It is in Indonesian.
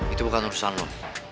itu bukan urusan lu